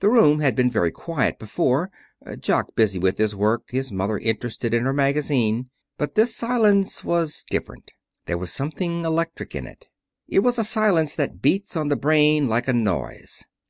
The room had been very quiet before Jock busy with his work, his mother interested in her magazine. But this silence was different. There was something electric in it. It was a silence that beats on the brain like a noise.